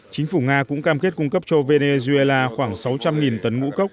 chính phủ nga cũng cam kết cung cấp cho venezuela khoảng sáu trăm linh tấn ngũ cốc